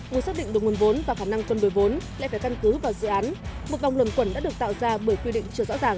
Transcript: muốn xác định được nguồn vốn và khả năng cân đổi vốn lại phải căn cứ vào dự án một vòng luận quẩn đã được tạo ra bởi quy định chưa rõ ràng